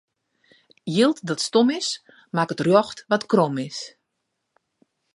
Jild dat stom is, makket rjocht wat krom is.